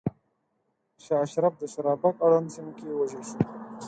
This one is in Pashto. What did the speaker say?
شاه اشرف د شورابک اړونده سیمو کې ووژل شو.